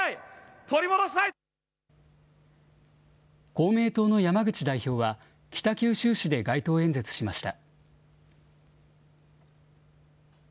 公明党の山口代表は、北九州市で街頭演説しました。